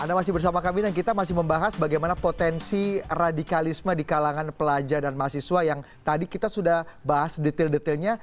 anda masih bersama kami dan kita masih membahas bagaimana potensi radikalisme di kalangan pelajar dan mahasiswa yang tadi kita sudah bahas detail detailnya